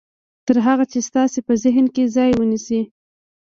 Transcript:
تر هغه چې ستاسې په ذهن کې ځای ونيسي.